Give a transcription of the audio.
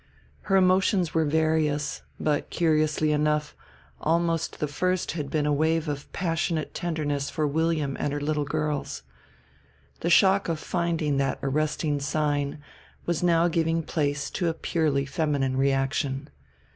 Her emotions were various; but, curiously enough, almost the first had been a wave of passionate tenderness for William and her little girls. The shock of finding that arresting sign was now giving place to a purely feminine reaction.